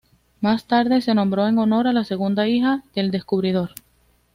Más tarde, se nombró en honor de la segunda hija del descubridor.